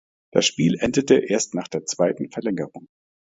Das Spiel endete erst nach der zweiten Verlängerung.